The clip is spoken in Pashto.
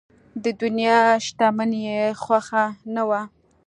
د دنیا شتمني یې خوښه نه وه.